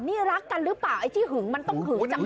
นี่รักกันหรือเปล่าไอ้ที่หึงมันต้องหึงจัง